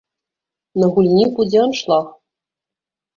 На гульні будзе аншлаг.